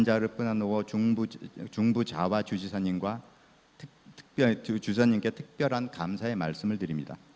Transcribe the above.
tentang pembahasan pengembangan indonesia